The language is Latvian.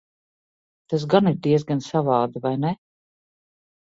Tas gan ir diezgan savādi, vai ne?